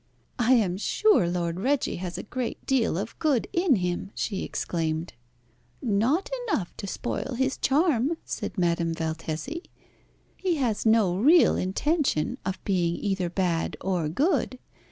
"I am sure Lord Reggie has a great deal of good in him!" she exclaimed. "Not enough to spoil his charm," said Madame Valtesi. "He has no real intention of being either bad or good.